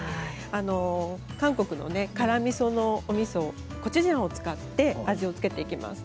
韓国の辛みそコチュジャンを使って味を付けていきます。